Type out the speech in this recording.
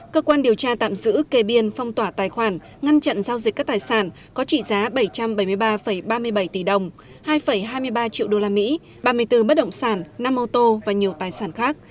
cơ quan điều tra tạm giữ kề biên phong tỏa tài khoản ngăn chặn giao diệt các tài sản có trị giá bảy trăm bảy mươi ba ba mươi bảy tỷ đồng hai hai mươi ba triệu đô la mỹ ba mươi bốn bất động sản năm mô tô và nhiều tài sản khác